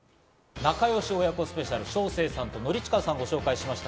仲良し親子スペシャル、将清さんと典親さんをご紹介しました。